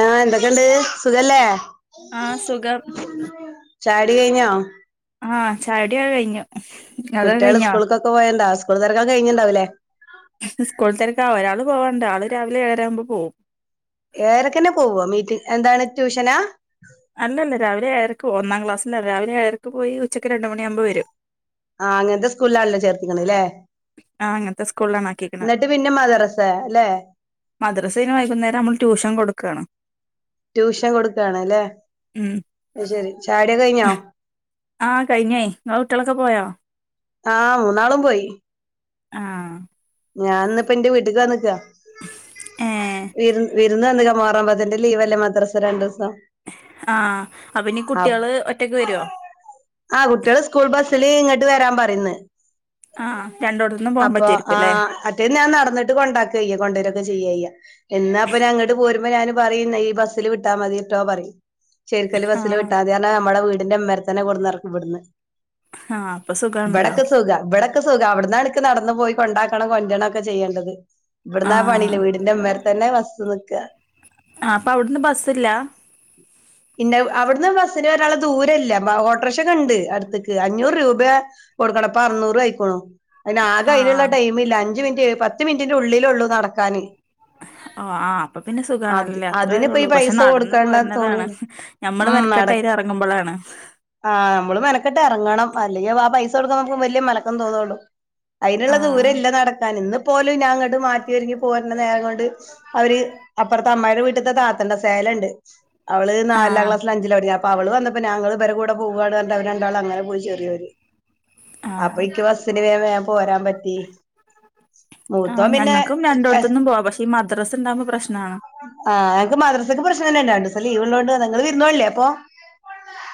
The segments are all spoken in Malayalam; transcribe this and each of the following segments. ആ എന്തൊക്കെണ്ട് സുഖല്ലേ ആഹ് സുഖം ചായുടി കഴിഞ്ഞോ ചായുടി ക്കെ കഴിഞ്ഞു അതൊക്കെ കുട്ടികൾ കഴിഞ്ഞോ സ്കൂളക്കൊക്കെ പോയണ്ടാ സ്കൂൾ തിരക്കക്കൊക്കെ കഴിഞ്ഞിുണ്ടാവില്ലേ സ്കൂള തിരക്ക ഒരാൾ പോവാണ്ട് ആള് രാവിലെ ഏഴര ആവുമ്പോ് പോകും ഏറെൊക്കെന്നെ പോവ മീറ്റി എന്താണ് ട്യൂഷനാ അല്ലല്ല രാവിലെ ഏർക്ക് പോ ഒന്നാം അല്ലല്ല രാവിലെ എഴരക്ക് പോകുംഒന്നാം ക്ലാസ്സ് ല രാവിലെ ഏരക്ക് പോയി ഉച്ചയ്ക്ക് രണ്ട മണിയ ആാവുമ്പോൾ വരും ആഹ് അങ്ങനത്തെ സ്കൂളില ആെല്ല ചേർത്തിക്കണല്ലേ ആഹ് അങ്ങനത്തെ എന്നിട്ട് പിന്നെ മദറസ മദ്രസന് വൈകുന്നേരം നമ്മള് ട്യൂഷൻ കൊടുക്കുവയാണ് ട്യൂഷൻ കൊടുക്കാണ്ല്ലേ ഉം അത്‌ ശരി ചായുടി ഒക്കെ കഴിഞ്ഞോ ആഹ കഴിഞ്ഞേ ങ്ങളെ കുട്ടികളൊക്കെ പോയാോ ആഹ മൂന്നാളും പോയി ആഹ ഞാൻ ഇന്നിപ്പ എന്റെ വീട്ടക്ക് വന്നക്കാ ഏഹ് വിരു വിരുന്ന് വന്ന മുഹറം പത്തിന്റെ ലീവ്ല്ലേ മദ്രാ സ രണ്ട ദിവസം ആഹ അപ്പനി അപ്പ്- കുട്ടികള് ഒറ്റക്ക് വരുവോ ആ കുട്ടികള് സ്കൂൾ ബസ്സിില് ഇങ്ങോട്ട് വരാൻ പറയന്ന് ആ് രണ്ടോടത്തന്നും അപ്പൊ ആ അറ്റേ ഞാൻനട ന്നട്ട് കൊണ്ടക്ക കൊണ്ടെരൊക്കെ ചെയ്യാ കൊണ്ടുവരൊക്കെ ചെയ്യയ്യ എന്നാ അപ്പൊ ഞ അങ്ങോട്ട് പോര ഞൻ പറയ ഈ ബസിൽ വിട്ടാൽ മതി കേട്ടോ പറ ശരിക്കല് ബസിൽ ആഹ് വിട്ടാൽ മതി കാരണം നമ്മടെ വീട് അതിന്റെ മരത്തനെ കൊടുന്ന് ഇറക്കി വിടന്ന് ആഹ് അപ്പൊ സുഖാണല്ലോ വടക്ക് സുഖ വിടക്ക് സുഖ അവിടന്നാ എനിക്ക് നടന്നു പോയി കൊണ്ടാക്കണം കൊണ്ടണം ഒക്കെ ചെയ്യേണ്ടത് ഇവിടന്നാ ആഹ് പണിയില്ല വീടിന്റെ ഉമാേർ തന്നെ വസ് നിക്ക ആഹ അപ്പൊ അവിടന്ന് ബസ്സില്ല പിന്നെ അവിടുന്ന് ബസ്സിന് ഒരാള ദൂരല്ല ഓട്രഷ കണ്ട് അടുത്തേക്ക് അഞ്ഞൂറ് രൂപ കൊടുക്കണപ്പ അറുന്നൂറ് ആയിക്കോണു അതിന ആകെ അതിനുള്ള ആഹ് ടൈമില്ല അഞ്ച്ു മിനിറ്റ് പത്ത് മിനിറ്റിന്റെ ഉള്ളില ഉള്ളു നടക്കാാന് ഓ ആ് അപ്പൊ പിന്നെ സുഖണല്ലല്ലേ അത്രേ അതിനിപ്പ ഈ ഉള്ളൂ പക്ഷെ പൈസ നടന്ന് കൊടുക്കണ്ടാന്ന് പോരുന്നതാണ് തോന്നൂല ഉം നട നഞമ്മള്നക്ക് ായിര് ഇറങ്ങുമ്പോഴാണ് ആഹ് നമ്മള് മനക്കെട്ട ഇറങ്ങണം അല്ലെങ്ക ആ പൈസ കൊടുക്കാ നമുക്ക് വലിയ മനക്കം തോന്നള്ളൂ അയന്നള്ള ദൂരം ആഹ് ഇല്ല നടക്കാൻ ഇന്ന് പോലും ഞാ അങ്ങോട്ട് മാറ്റി ഒരുങ്ങി പോരണ്ട നേരം കൊണ്ട് അവര് അപ്പുറത്തെ അമ്മ്യുടെടെ വീട്ടിലത്തെ അപ്പർത്തെ അമ്മായിന്റെ വീട്ടത്തെ താത്തണ്ടന്റെ സേലുണ്ട് അവള് നാലാം ആഹ് ക്ലാസിൽ അഞ്ചില പടിക്ക അപ്പൊഅവൾ വന്നപ്പോ അവള് വന്നപ്പോ ഞങ്ങള് ഇര കൂടെ പോവയാണ് രണ്ടാൾ അങ്ങനെ പോയി ചെറിയൊര് അപ്പൊ ആഹ് എക്ക് ബസ്സിന് വേ പോരാൻ പറ്റി ആ മൂത്തോൻ പിന്നെ ഞങ്ങൾക്കും എസ് രണ്ടിടത്തൊന്നും പോവാ പക്ഷേ ഈ മദ്രാസ് ഉണ്ടാവകുമ്പോ പ്രശ്നമാണ് ആഹ് ഞക്ക് മദ്രസക്ക് പ്രശ്നം തന്നെ ഉണ്ടണ്ട് സ ലീവ് ഉള്ളോണ്ട് നിങ്ങൾ വിരുന്നല്ലേ അപ്പൊ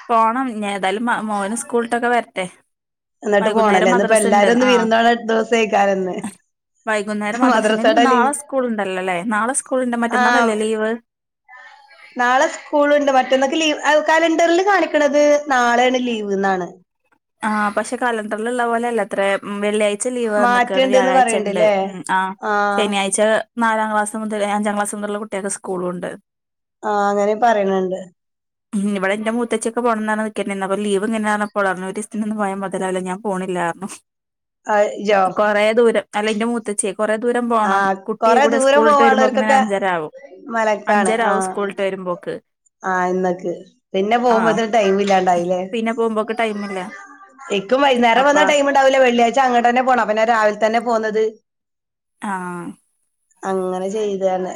പോണം ഞാ ഏതായാലും മോന് സ്കൂളിട്ടൊക്കെ വരട്ടെ എന്നിട്ട് വൈകുന്നേരം പോണല്ലേ ഇന്ന് ഇപ്പ മദ്രസ ഇണ്ട് എല്ലാരും ഒന്ന് ആഹ് വിരന്തോള എട്ടു ദിവസം ആക്കാൻന്ന് വൈകുന്നേരം മാദർശന് ഇപ്പ നാളെ സ്കൂൾ ഉണ്ടല്ലോല്ലേ നാളെ സ്കൂൾ ഉണ്ട് ആ മറ്റന്നാളല്ലേ ലീവ് നാളെ സ്കൂളുണ്ട് മറ്റന്നൊക്കെ ലീവ് കലണ്ടറിൽ കാണിക്കണത് നാളെയാണ് ലീവ് എന്നാണ് ആഹ പക്ഷെ കാലംന്തിലള്ള പോലെയല്ല അത്ര വെള്ളിയഴ് ലീവ് വന്നക്കാണ് മാറ്റുണ്ട്ന്ന് വ്യാഴാഴ്ച ഉണ്ട് പറയണ്ടല്ലേ ഉ ആ ശനിയാഴ്ച നാലാം ക്ലാസ് മുതൽ അഞ്ചാം ക്ലാസ് മുതലുള്ള കുട്ടികൾെ സ്കൂളുണ്ട് ആഹ അങ്ങനെ പറയണണ്ട് ഉം ഇവിടെ എന്റെൂത്തച്ചൊക്ക പോണംന്നാണ് നക്കപ്പൊ ലീവ്ങ്ങനാണ പോള ൊന്ന് പോയാ മുതലല്ല ഞാൻ പോണില്ലായിരുന്നു ആ, ജോ കൊറെേ ദൂരം അല്ല എന്റെ മൂത്തച്ചേ കുറെേ ദൂരം ആ പോകണം കുട്ടി കൊറേ കൂടെ ദൂരം സ്കൂളിട്ട് വരുമ്പോൾ ഇങ്ങനെ പോവാനുള്ളവർക്കൊക്കെ അഞ്ചര ആവുംും അഞ്ചര ആകും സ്കൂളിട്ട് വരുമ്പോ ്പോക്ക് ആഹ ഇന്നൊക്ക് പിന്നെ പോകുമ്പോത്ര ടൈം ഇല്ലാണ്ടായില്ലേ പിന്നെ പോകുമ്പോക്ക് ടൈമില്ല എക്കും വൈകേരം അപ്പ വന്ന ടൈം ഉണ്ടാവൂില്ലേ വെള്ളിയാഴ്ച അങ്ങട്ട് തന്നെ പോണം അപ്പന്ന രാവിലെ തന്നെ പോകുന്നത് ആഹ അങ്ങനെ ചെയ്താണ്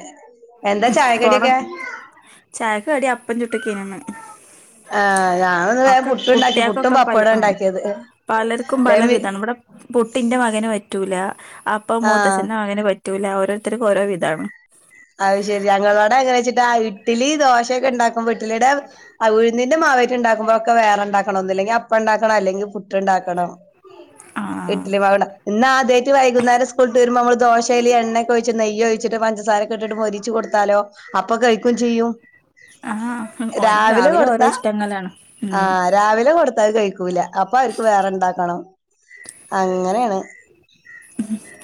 എന്താ പോണം ചായക്കടിയൊക്കെ ചായക്ക് കടി അപ്പം ചുട്ടക്കേനിന്ന്. ആഹ് ഞാനുന്ന് വേം പുട്ടുണ്ടാക്കി പുട്ടും കുട്ട്യാക്കൊക്കെ പല ബപ്പട്വോ ആഹ് ഉണ്ടാക്കിയത്. പലർക്കും പല വേം വി വിധാണ്. ബടെ പുട്ടിന്റെ മകന് പറ്റൂല. അപ്പം ആഹ് മൂത്തച്ചൻ്റെ മകന് പറ്റൂല. ഓരോരുത്തർക്കും ഓരോ വിധാണ്. അത് ശെരി. ഞങ്ങളോടെ അങ്ങനെ വെച്ചിട്ട് ആ ഇഡിലി ദോശയൊക്കെ ഉണ്ടാക്കുമ്പോ ഇട്ടിലിയുടെ അ ഉഴ്ന്ന് ന്റെ മാവേയ്റ്റ് ഉണ്ടാക്കുമ്പോ ഒക്കെ വേറെണ്ടാക്കണം. ഒന്നില്ലെങ്കിൽ അപ്പം ണ്ടാക്കണം. അല്ലെങ്കി പുട്ട് ഇണ്ടാക്കണം. ആഹ് ഇട്ടിലി മാവ്ണ്ട. ഇന്ന് ആദ്യായിട്ട് വൈകുന്നേരം സ്കൂൾട്ട് വരുമ്പ മ്മള് ദോശയില് എണ്ണെക്കൊഴിച്ച് നെയ്യ് ഒഴിച്ച്ട്ട് പഞ്ചസാരെ ക്കെട്ട്ട്ട് മൊരിച്ചു കൊടുത്താലോ അപ്പൊ കഴിക്കും ചെയ്യും. ആഹ് ഓന് രാവിലെ ഓരോ കൊടുത്താ ഇഷ്ടങ്ങളാണ് ഉം ആഹ് രാവിലെ കൊടുത്താ അത് കഴിക്കു ക്കൂല. അപ്പൊ അവർക്ക് വേറെ ഇണ്ടാക്കണം അങ്ങനെണ്.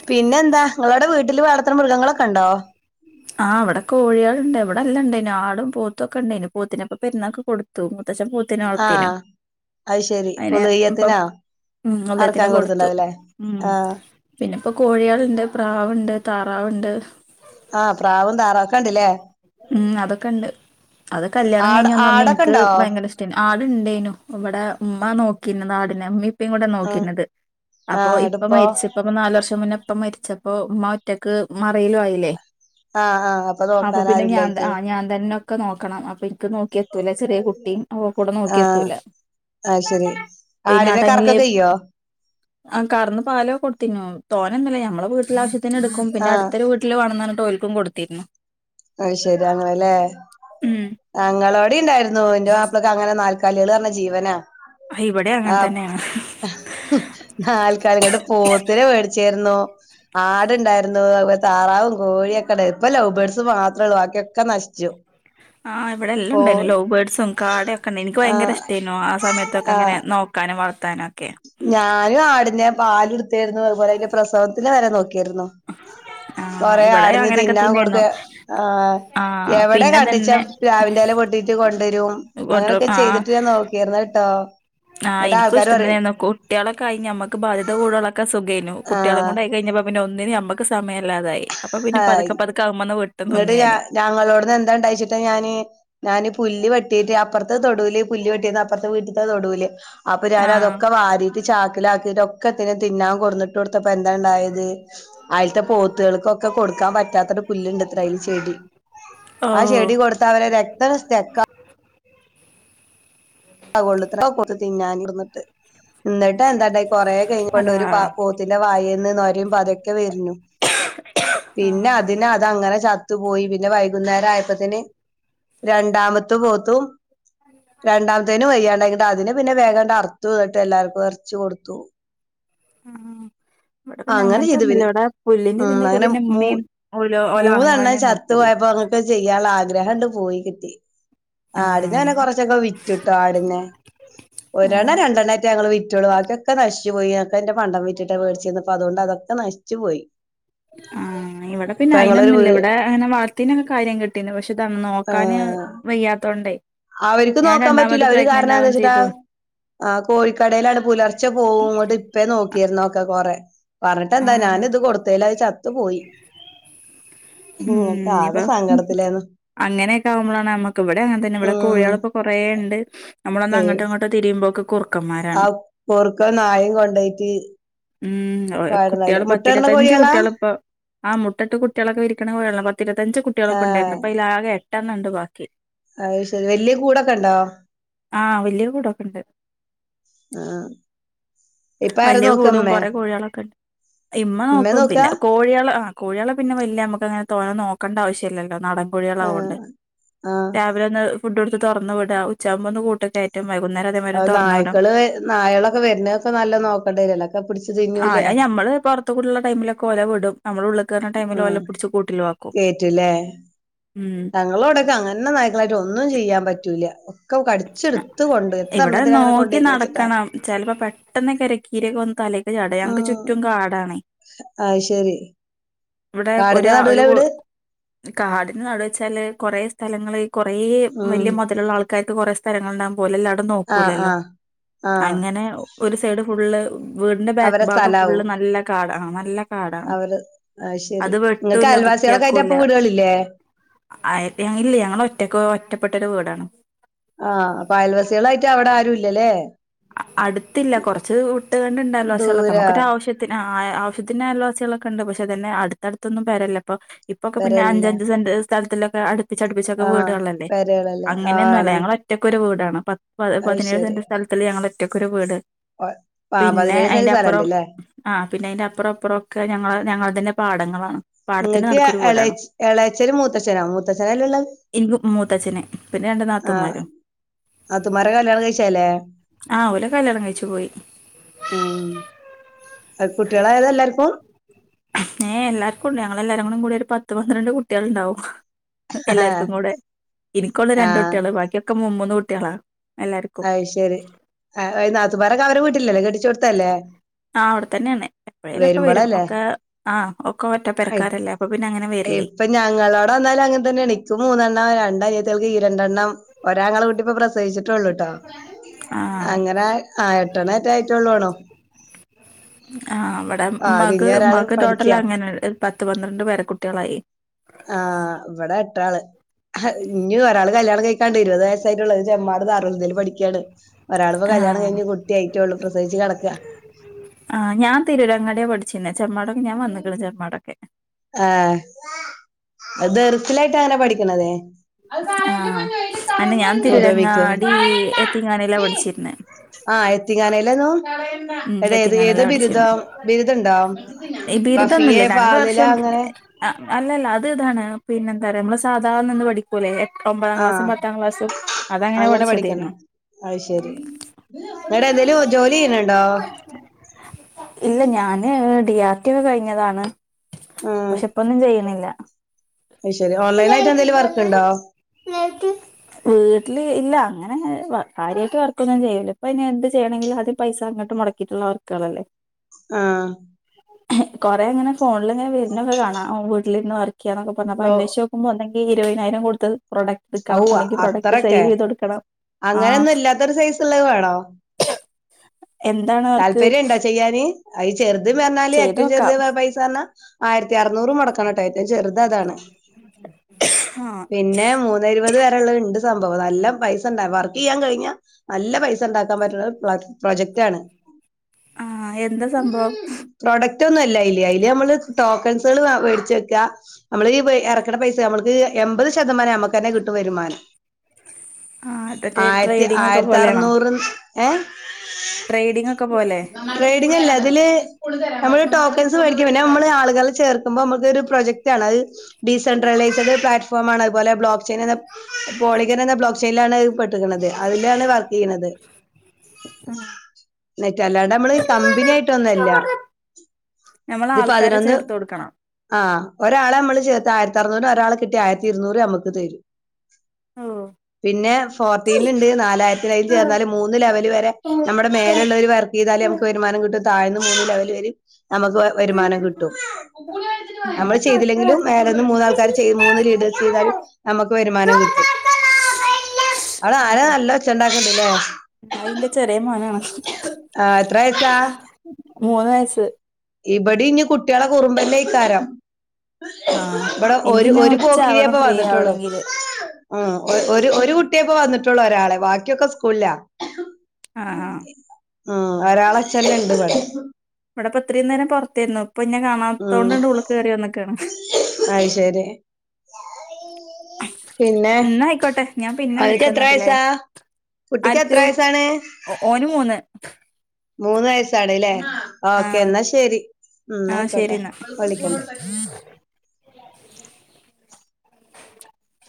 പിന്നെന്താ നിങ്ങളോടെ വീട്ടില് വളർത്തണ മൃഗങ്ങളൊക്കെ ണ്ടോ? ആഹ് ഇവടെ കോഴിയേള് ണ്ട്. ഇവടെ എല്ലെണ്ടേനു ആടും പോത്തും ഒക്കെ ഇണ്ടേനു. പോത്തിനെപ്പൊ പെരുന്നാക്ക് കൊടുത്തു. [unintelligible] ത്തച്ചൻ പോത്തിന വളർത്തീനു. ആഹ് അത് ശെരി ഉള്ഹിയ്യത്തിനാ? ഉം ഉള്ഹിയ്യത്തിന് കൊടുത്തു ഉം ആഹ് പിന്നെ ഇപ്പോ കോഴിയേള്ണ്ട്, പ്രാവ്ണ്ട്, താറാവ്ണ്ട്. ആ പ്രാവും താറാവെക്കണ്ട് ലേ. ഉം അതൊക്കെ ഇണ്ട്. അത് കല്യാണം ആട് കഴിഞ്ഞ ന്നന്ന് ആടൊക്കെ ഇൻക്ക് ഇണ്ടോ ഭയങ്കര ഇഷ്റ്റേനി. ആടുണ്ടേനു ഇവടെ ഉമ്മ നോ പിന്നെ ഒന്ന് ആടിനെ ഉമ്മീഉപ്പയും കൂടെ ആഹ് നോക്കിരുന്നത് അപ്പൊ ആഹ് ഇപ്പ ഇടിപ്പോ മരിച്ച ഇപ്പപ നാല് വർഷം മുന്നേ ഇപ്പ മരിച്ചപ്പോ ഉമ്മ ഒറ്റക്ക് മറയിലു ആയില്ലേ ആഹ് ആഹ് അപ്പൊ നോക്കാനു പിന്നെ ഞാൻ താ ആ ഞാൻ തന്നെ ഒക്കെ നോക്കണം അപ്പൊ എനിക്ക് നോക്കിയെത്തൂലെ ചെറിയ കുട്ടിയും ഓകൂടെ നോക്കിയെത്തൂഇല്ല ആ ശെ പിന്നെ ആഹ് ടൈമില് ആഹ് കറന്ന് പാലൊ കൊടുത്തിനു അന്തല്ല ഞമ്മുടെ വീട്ടില ആവശ്യത്തിന് എടുക്കും പിന്നെ ആഹ് അടുത്തരു വീട്ടില് വണന്നാണ് ടോയ്ലറ്റും കൊടുത്തിരുന്നു അയ് ശെരി അങ്ങനാല്ലേ ഉം ഞങ്ങളോടെ ഉണ്ടായിരുന്നു എന്റെ പപ്പിളക്കെ അങ്ങനെ നാല് കലുകള് പറഞ്ഞ ജീവനാ ആ, ഇവിടെ അങ്ങനെ ആഹ് തന്നെയാണ് ആൾകാരങ്ങട്ട് പോത്തിനെ മേടിച്ചെ ന്നു ആടുണ്ടായിരുന്നു അതു വേ താറാവും കോഴിഒക്കെഉണ്ടായി ഇപ്പ ലവ്ബേഡസ് മാത്രമേ ഉള്ളൂ ബാക്കി ഓ അശ് ച്ചു ആഹ് ഇവെടെല്ലാം ഉണ്ടായ്രുന്നു ലൗ ബേഡ്സും കാടാക്കൊണ്ടനി എനിക്ക് ഭയങ്കര ആഹ് ഇഷ്ടയിനു ആഹ് ആഹ് സമയത്തൊക്കെങ്ങനെ നോക്കാനും വളർ ത്താനൊക്കെ ഞാനും ആടിനെ പാല്ടുത്തേരുന്നു അതുപോലയിന്റെ പ്രസവത്തിനുവെരെ നോക്കിരുന്നു. ആ കൊറെ ഇവിടെ ആടിന് അങ്ങനെയൊക്കെ തിന്നാൻ തന്നെയായിരുന്നു കൊടുത്. ആഹ് ആ എവിടെ പിന്നെ തന്നെ കണ്ടിച്ചാപ്ലാവിന്റെല കൊ കട്ടിട്ട് കൊണ്ടുവെരും അങ്ങനൊക്കെ കൊണ്ടരും ആ ചെയ്തിട്ട് ഞാൻ നോക്കിയാരുന്നുട്ടോ എന്നിട്ടാൾക്കാര് പറയും കുട്ടികളൊക്കയി ഞമ്മെക്ക് ബാധ്യത കൂടുകളൊക്കെ സുഖേനു കുട്ടികളെ ആഹ് കൊണ്ടായി കഴിഞ്ഞപ്പ പിന്നെ ഒന്നിന്നു ഞമ്മ ക്ക് സമഇല്ലാതായി അപ്പൊ പിന്നെ ഹായ് പതുക്കെ പതുക്ക അവൻ വന്ന് വെ ഇങ്ങട്ട് ഞാ ഞങ്ങളെവടന്ന് എന്താ ഉണ്ടായിച്ചിട്ട് ഞാന് ഞാനി പുല്ല് വെട്ടിട്ട് അപ്പറത്തെ തൊടുവില് പുല്ല് വെട്ടീത അപ്പറത്തെ വീട്ടിത്തെ തൊടൂല് അപ്പൊ ആഹ് ഞാനതൊക്കെ വാരി. ചാക്കിലാക്കിട്ട് ഒക്കെത്തി തിന്നാൻ കൊടന്നിട്ട് കൊടുത്തപ്പോ എന്താ ഉണ്ടായത് അയലത്തെ പോത്തുകൾക്കൊ ഒക്കെ കൊടുക്കാൻ പറ്റാത്തൊരു പുല്ലുണ്ട് ഡൈൽ ചെടി ഓ ആ ചെടി കൊടുത്താവരെ രക്തം സ്റ്റക്ക ആഹ് വെള്ളത്തിലാ കൊത്തിത്തിന്നാൻ കെടന്നിട്ട്. എന്നിട്ട് എന്താണ്ടായി കൊറെ കഴിഞ്ഞപ്പൊണ്ട് അതാ ഒരു പോത്തിന്റെ വായിന്ന് നൊരേം പതേക്കെ വരുന്നു. പിന്നെ ആഹ് അതിന് അതങ്ങനെ ചത് ത്തു പോയി പിന്നെ വൈകുന്നേരായപ്പത്തേന് രണ്ടാമത്തെ പോത്തും. [unintelligible] വയ്യാണ്ടായി ന്നെട്ട് അതിനെ പിന്നെ വേഗണ്ട് അർത്തു. ന്നെട്ട് എല്ലാവർക്കും എറച്ചി കൊട്ത്തു. ആഹ് ഇവെടെ പിന്നെ അങ്ങനെ ചെയ്തു അങ്ങെനെത്തെന്നുമില്ല. പിന്നെ ഇവടെ പുല്ലിന്റെ ഉം ന്റെക്കെ അങ്ങനെ പിന്നെ മൂ ഉമ്മയും ഓല് ഓലാണുങ്ങളന്നെ നോക്കൊള്ളു. ഓ ചെയ്യാനൊളള ആഗ്രഹ്വോണ്ട് പോയി കിട്ടി ആഹ് ആടിനന്നെ കൊറച്ചെക്കെ വിറ്റുട്ടോ. ആടിനെ. ഒരെണ്ണ ആഹ് രണ്ടണണ്യാറ്റ ഞങ്ങള് വി റ്റുള്ളയതൊക്കെ നശിച്ചു പോയി. അക്കെയെന്റെ പണ്ട വീറ്റിട്ടാ മേടിച്ചിന്ന്പ്പ അതുകണ്ട് അതൊക്കെ നശിച്ചു പോയി. ഞങ്ങക്കിവിടെ പിന്നെ ഇപ്പൊ ഞങ്ങളൊരു വീ അയിനൊന്നുമില്ല. ഇവെടെ അങ്ങനെ വളർത്തേനൊക്കെ കാര്യം കിട്ടീന്നു. പക്ഷെ. ത നോക്കാന് വയ്യാത്ത തൊണ്ടേ അവരിക്ക് നോക്കാൻ പറ്റൂല. അവര് കാരണന്താ വെച്ചിട്ടാ. ചെയ്തു ആ കോഴിക്കടേലാണ്. പുലർച്ചെ പോവുന്നിട്ട്ഇപ്പേ നോക്കു നോക്കിയർ നോക്ക കൊറെ. പറഞ്ഞിട്ടെന്താ ആഹ് ഞാനിതു കൊടുത്തോലായ് ചത്ത് പോയി. ഉം ഇപ്പ അങ്ങനെയെക്കെ ആകുമ്പോഴാണ് നമ്മെക്കിവടെ യതെ. പിന്ന ഇവെടെ ഉം കോഴികളിപ്പോ കൊറെണ്ട്. നമ്മളന്ന് ഏയ് അങ്ങോട്ടുയിങ്ങോട്ടോ തിരിയുമ്പോക്കെ. ആ കുറുക്കന്മാരാണ് കുറുക്കം നായും കൊണ്ടായിറ്റ്. ഉം അവെടെ കുട്ടികള് പത്തിരുപത്തഞ്ച് കോഴികളാ കുട്ടികളിപ്പൊ. ആ മുട്ടട്ട് കുട്ടികളൊക്കെ വിരിക്കണപ്പോലള്ള പത്തിരുപത്തഞ്ച് ആഹ് കുട്ടികളൊക്കെണ്ടായിരുന്നു. ഇപ്പയിതില്ലാകെ എട്ടണ്ണണ്ട് ബാക്കി. അത് ശെരി വല്യ കൂടൊക്കെണ്ടോ? ആ വലിയ കൂടൊക്കെ ഉണ്ട് ആഹ് ഇപ്പ ആരാ വല്യ നോക്കാ കൂടും ഉമ്മേ കൊറെ കോഴികളൊക്കെണ്ട്. ഇമ്മ ഉമ്മേ നോക്കും. നോക്കാ പിന്നെ കോഴികള് ആ. കോഴികളെ പിന്നെ വല്യ നമ്മുക്കങ്ങനെ തൊഴ നോക്കേണ്ടാവശ്യല്ലോ നടൻ. കോഴികളാവോണ്ട്. ആഹ് ആഹ് രാവിലൊന്ന് ഫുഡ് വൈകുന്നേരം അതേമാതിരി അത് തുറന്നു വിടും നായ്ക്കള് നായകളെക്കെ വരുന്നോ പ്പ നല്ല നോക്കണ്ടരെല്ല. ക്കെ പിടിച്ചു ആഹ് തിന്നൂലേ. അത് ഞമ്മള് പൊറത്ത് കൂടിള്ള ടൈമിലൊക്കെ ഓലെ വിടും നമ്മള് ഉള്ള് കേറ്ണ ടൈമില് ആ ഓലെ പിടിച്ച് കൂട്ടിലാക്കും കേറ്റീലേ. ഉം തങ്ങളോടെക്കെ അങ്ങനെ നായ്ക്കളായിട്ട് ഒന്നും ചെയ്യാൻ പറ്റൂല. ഒക്കെ കടിച്ചെടുത്തു. ഇവടെ നോക്കി നടക്കണം. ചെലപ്പോ പെട്ടെന്ന് കെര കീരിക്കെന്ന് തലേക്ക് ചാടും ഞക്ക് ചു റ്റും കാടാണേ ആഹ് ശെരി ഇവെടെ ഒരേ ഒരു കാടിന് നടുവെച്ചാല് കൊറെ സ് ഥലങ്ങിൽ കൊറെ ഉം വെല്യ മൊതലൊള്ള ആൾക്കാർക്ക് കൊറെ സ്ഥലങ്ങളുണ്ടാകും. ലെ എല്ലടവും ആഹ് നോക്കൂലല്ലോ. ആഹ് ആഹ് അങ്ങനെ ഒര് സൈഡ് ഫുള്ള്. വീടിന്റെ ബാക്ക് അവരെ ഭാഗം ഫുള്ള് സ്ഥലാവും നല്ല കാടാണ് ആണ് കാടാണ് അവര് ശരി അത് ഇങ്ങക്ക് വെട്ടൂല്ല അയൽവാസികളൊക്കെ ആയിട്ട് വൃത്തിയാക്കൂല്ല അപ്പൊ വീടുകളില്ലേ ഇല്ല ഞങ്ങൾ ഒറ്റപ്പെട്ടൊരു വീടാണ് ആഹ് അയൽവസികളായിട്ട് അവിടെ ആരും ഇല്ലല്ലേ അടുത്തില്ല കുറച്ച് വിട്ട് കണ്ട് ഉണ്ടല്ലോ പക്ഷേ ദൂരാ നമുക്കൊരു ആവശ്യത്തിന് ആ ആവശ്യത്തിന് ആയൽവാസികളൊക്കെ ഉണ്ട് പക്ഷെ അതന്നെ അടുത്തടുത്തൊന്നു പെരയില്ല അപ്പൊ ഇപ്പൊക്കെ പിന്നെ പെരല്ല അഞ്ച് അഞ്ച്സെൻ്റ് സ്ഥലൊത്തെക്കെ അടുത്ത് അടുപ്പിച്ചൊക്കെ ആഹ് വീടുകള്ളല്ലേ പെരകളല്ലേ അങ്ങനെയൊന്നുമല്ല ആണ് ഞങ്ങള ഒറ്റക്ക് ഒരു വീടാണ് പത്ത് അത് പതിനേഴ് ശരി സെന്റ് സ്ഥലത്തില് ഞങ്ങൾ ഒറ്റക്ക് ഒരു വീട് ആഹ് പിന്നെ പതിനേഴ് സെന്റ് അതിന്റെപ്പുറം സ്ഥലംണ്ട്ല്ലേ ആ പിന്നെ അതിന്റെ അപ്പുറം ഇപ്പുറം ഒക്കെ ഞങ്ങളതിന്റെ പാടങ്ങളാണ് പാടത്തിന്റെ നിങ്ങക്ക് നടുക്കൊരു വീടാണ് എളെച്ചനും മൂത്ത ചണോ മൂത്തശച്ഛന ലെ ഉള്ളത് എനിക്ക് മൂത്തച്ഛന് പിന്നെ രണ്ട് ആഹ് നാത്തൂന്മാരും നത്തു മാരെ കല്ല്യാണം കഴിച്ചല്ലേ ആ ഒല്ല് കല്ല്യാണം കഴിച്ചു പോയി ആ കുട്ടികളായ എല്ലാർക്കും ഏ എല്ലാർക്കുണ്ട് ഞങ്ങളെല്ലാരും കൂടി ഒരു പത്ത് പന്ത്രണ്ട് കുട്ടികൾ ഉണ്ടാവും എല്ലാവർക്കും കൂടെ എനിക്കുള്ള രണ്ട് ആഹ് കുട്ടികള് ബാക്കിയൊക്കെ മുമൂന്ന് കുട്ടികളാ എല്ലാർക്കും അത് ശരി നാത്തുൻമാരക്കെ അവരെ വീട്ടില്ലല്ലോ കെട്ടിച്ച് ടുത്തല്ലേ അ അവിടെ തന്നെ യാണ്എപ്പോഴേലൊക്കെ വരും ഒക്കെ ആ ഒക്കെ ഒറ്റ പരക്കാരല്ലേ അപ്പൊ പിന്നെ അങ്ങനെ വരും ഇപ്പ ഞങ്ങളോടെ വന്നാലും അങ്ങനെ തന്നെണ്. ഇക്ക് മൂന്നെണ്ണം രണ്ട് അനിയത്തിയാൾക്കും ഈ രണ്ടെണ്ണം ഒരാങ്ങള കുട്ടി പ്പൊ പ്രസവിച്ചിട്ട് ഉള്ളൂട്ടോ ആ അങ്ങനെ ആ എട്ടണ്ണേറ്റെ ആയിട്ടുള്ളോലോ. ആ ഇവിടെ ഉമ്മക്ക് ഒരാള് ഉമ്മാക്ക് ട്ടോട്ടൽ പഠിക്ക്യാ അങ്ങനെ പത്ത് പന്ത്രണ്ട് പേരക്കുട്ടികളായി. ആഹ് ഇവിടെ എട്ടാള് ഇനി ഒരാള് കല്യാണം കഴിക്കാണ്ട് ഇരുപത് വയസ്സായിട്ടുള്ളൂ അത് ചെമ്മാട് ദാറുൽഹുദയിൽ പഠിക്കയാണ്. ഒരാളിപ്പോ ആ കല്യാണം കഴിഞ്ഞ് കുട്ടി ആയിട്ടുള്ളൂ പ്രസവിച്ച് കിടക്കാ. ആഹ് ഞാൻ തിരൂരങ്ങാടിയാ പഠിച്ചീനെ. ആഹ് അത് ഇലായിട്ട് അങ്ങനെ പഠിക്ണതേ അത് ആ കളയല്ലേ പൊന്നു അന്നെ ഞാൻ അതില് കയമ്പ്ണ്ട്. തിരൂരങ്ങാടി കളയണ്ട എത്തിങ്ങാനീലാ ടി പഠിച്ചിരുന്നെ ആഹ് യതീം ഖാനയിലെയിനു ഉം അതേത് ഏത് എത്തിങ്ങാനീലാ ബിരുദാ പഠിച്ചിരുന്നെ ബിരുദണ്ടോ ബിരുദൊന്നുല്ല വഫിയെ രണ്ട് ഫാളിലെ വർഷം അങ്ങനെ ആഹ് അല്ലല്ല അത് ഇതാണ് പിന്നെ എന്താ പറയാ നമ്മളെ സ് സാധാ നിന്ന് പഠിക്കൂല്ലേ ഒമ്പതാം ക്ലാസ്സും ആഹ് പത്താം ക്ലാസ്സും അത് അങ്ങനെ പഠിച്ചതേയ്നു. അത് ശരി. എന്നിട്ട് എന്തേലും ജോലി ചെയ്യണുണ്ടോ? ഇല്ല ഞാന് ഡിആർടി ഒക്കെ കഴിഞ്ഞതാണ്. ആഹ് പക്ഷെ ഇപ്പൊ ഒന്നും ചെയ്യണില്ല. അത് ശരി ഓൺലൈൻ ആയിട്ട് എന്തേലും വർക്ക് ഉണ്ടോ വീട്ടില് ഇല്ല ഞാനങ്ങനെ വ കാര്യായ്ട്ട് വർക്കാെന്നും ചെയ്യൂല ഇപ്പയ്ന് എന്ത് ചെയ്യെണെങ്കിലും ആദ്യം പൈസ [unintelligible] മാെടക്കീട്ട്ള്ള വർക്ക്കളല്ലെ ആഹ് കൊറേങ്ങനെ ഫോൺല്ങ്ങനെ വെര്ണൊക്കെ കാണാ വീട്ട്ൽര്ന്ന് വർക്കെയ്യാന്നൊക്കെ പറ്ഞ്ഞ് അപ്പന്നേഷ്ച്ചോക്കുമ്പം ഒന്നെ ങ്കി ഇര്വെയ്നായ്രം കൊട്ത് പ്രാെഡക് ത്ക്കണം അല്ലെങ്കി പ്രാെഡക്ട് സെയിലെയ്താെട്ക്കണം അങ്ങനെന്നും ഇല്ലാത്തൊര് സൈസ്ള്ളെ വേണോ എന്താണ് അവർക്ക് താല്പര്യണ്ടോ ചെയ്യാന് അയ് ചെർ ഇത് ന്നർഞ്ഞാല് ചെയ്ത് ഏറ്റവും നോക്കാം ചെറ്യ പൈസാർഞ്ഞാ ആയ്ര്ത്തി അറ്നൂറ് മാെടക്കണട്ടോ ഏറ്റം ചെറ്ത് അതാണ് ആ പിന്നേ മൂന്നേ ഇര്പത് വരെള്ളത്ണ്ട് സംഭവം നല്ല പൈസ് സണ്ടാ വർക്കെയ്യാം കഴ്ഞ്ഞാ നല്ല പൈസണ്ടാക്കാം പറ്റ്ണാെര് പ്ലാറ്റ് പ്രൊജക്റ്റാണ് ആഹ് എന്താ സംഭവം റ്റൊന്നല്ല അയ്ല് അയ്ല് ഞമ്മള് ടോക്കൺസ്കള് വാ വേട്ച്ച് വെക്കാ അമ്മള് ഈ വെ എറക്ക്ണ പൈസ ഞമ്മൾക്ക് എംപത് ശതം വെരെ ഞമ്മക്കെന്നെ കിട്ടു വെരുമാനം ആഹ് ത് മറ്റേ ട്രേയ്ഡിങ്ങാെക്കെ ആയിരത്തി പോലേണോ? അറുന്നൂറ് ഏ ട്രേയ്ഡിങ്ങൊക്കെ പോലെ ഡിങ്ങല്ല തില് ഞമ്മള് ടോക്കൺസ് മേടിക്കും പിന്നെ ഞമ്മള് ആള്കളെ ചേർക്ക്മ്പോ അമ്മക്ക് ഡീസെൻട്രലൈസ്ഡ് പ്ലാറ്റ്ഫോമാണ് അത്പോല ബ്ലോക്ക് ചെയ്ന്‌ന്ന് പോളികന്‌ന്ന് ബ്ലോ ക്ഷെയ്ലാണത് പെട്ട്ക്ക്ണത് അത്‌ലാണ് വർക്കെയ്യ്ണത് ആഹ് അല്ലാണ്ടമ്മ്ള് കമ്പ്നി ആയ്ട്ടൊന്നു അല്ലാ നമ്മൾ ത് ആൾക്കാരെ പതിനൊന്ന് ചേർത്ത് കൊടുക്കണം ആഹ് ഒരാളെ അമ്മള് ചേർ തായ്ര്ത്തർന്നൂറ്ന് ഒരാളെ കിട്ട്യാ ആയ്ര്ത്തി ഇര്ന്നൂറ് ഞമ്മക്ക് തെരും ഓ പിന്നെ ഫോർട്ടീൻല്ണ്ട് നാലായ്ര്ത്തി റെയ്ഞ്ച് വന്നാല് മൂന്ന് ലെവല് വെരെ ഞമ്മടെ മേലെള്ളാെര് വർ ക്കെയ്താലെ നമ്ക്ക് വര്മാനം കിട്ടു താഴെന്ന് മൂന്ന് ലെവല് വെരിം നമക്ക് വ വര്മാനം കിട്ടും നമ്മള് ചെയ്തില്ലെങ്കിലും മേലേന്ന് മൂന്നാൾക്കാര് ചെയ്ത് മൂന്ന് ലീഡേഴ്സ് ഉം ചെയ്താലും നമ്മക്ക് വരുമാനം കിട്ടും. ആ നായ ഒറ്റണ്ടാക്കല നല്ലൊച്ചണ്ടാക്ക് ണ്ട്ല്ലേ. അതിന്റെ ചെറിയ മോനാണ് ആഹ് എത്ര വയസ്സാ? മൂന്ന് വയസ്സ്. ഇബടിം ഞ് കുട്ട്യേളെ കുറുമ്പെന്നെക്കാരം ആ ഇവിടെ ഒരു എനിക്കിന്ന് ഒരു ഉച്ച പോക്കിരിയെ ആവണം ഫ്രീ ആവണെങ്കില് ഇപ്പോന്നിട്ടുള്ളുവന്നിട്ടുള്ളു ആ ഒരു ഒരു കുട്ടിയപ്പോ വന്നിട്ടുള്ള ഒരാളെ ബാക്കിയൊക്കെ സ്കൂളിലാ ആ ആ ഉ ഒരാളച്ചല് ഉണ്ട് കട ഇവിടെപ്പം എത്രയും നേരം പുറത്ത്ആയിരുന്നു ഇപ്പൊ ഞാൻ കാണാത്ത ഉം കൊണ്ട് ഉൾ കേയറി വന്നൊക്കെയാണ് അത് ശരി പിന്നെ ഇന്നയിക്കോട്ടെ ഞാൻ പിന്നെ അവൾക്ക് വിളിക്കാം എത്ര നാട്ടില്ലേ വയസാ കുട്ടിക്ക് എത്ര ആർക്ക് വയസ്സാണ് ഓനും മൂന്ന് മൂന്ന് വയസ്സാട അല്ലേ ആ ഓക്കേ എന്ന എന്നാ ശെരി ഉം ആ ശരി ആയിക്കോട്ടെ എന്നാ വിളിക്കണ്ടേ [unintelligible]